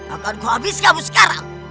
akanku habis kamu sekarang